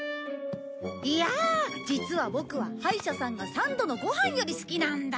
いやあ実はボクは歯医者さんが三度のご飯より好きなんだ。